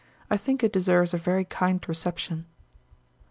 I think it deserves a very kind reception.